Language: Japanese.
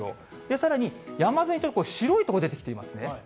さらに、山沿いに結構、白い所出てきていますね。